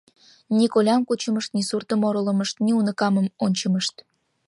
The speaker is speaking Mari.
Ни колям кучымышт, ни суртым оролымышт, ни уныкамым ончымышт...